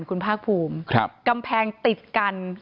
กำแพงติดกัน